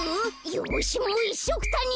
よしもういっしょくたに。